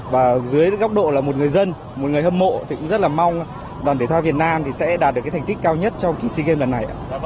và dưới góc độ là một người dân một người hâm mộ thì cũng rất là mong đoàn thể thao việt nam sẽ đạt được cái thành tích cao nhất trong kỳ sea games lần này ạ